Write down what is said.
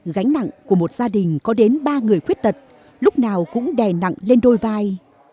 gánh nặng của một gia đình có đến ba người khuyết tật lúc nào cũng đè nặng lên đôi vai